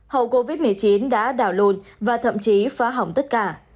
hậu covid một mươi chín đã đảo lùn và thậm chí phá hỏng tất cả